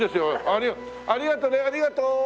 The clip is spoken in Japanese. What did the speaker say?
ありがとうね。